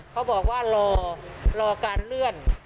เขาบอกว่ารอการเลื่อน